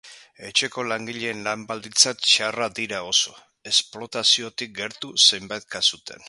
Etxeko langileen lan-baldintzak txarrak dira oso, esplotaziotik gertu zenbait kasutan.